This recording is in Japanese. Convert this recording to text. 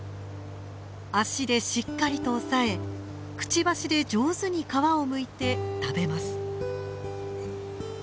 足でしっかりと押さえくちばしで上手に皮をむいて食べます。